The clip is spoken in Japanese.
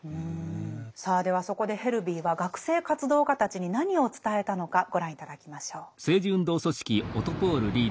さあではそこでヘルヴィーは学生活動家たちに何を伝えたのかご覧頂きましょう。